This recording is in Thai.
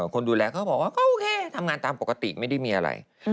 คนดูแลเขาบอกว่าก็โอเคทำงานตามปกติไม่ได้มีอะไร